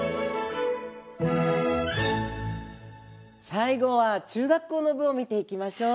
最後は中学校の部を見ていきましょう。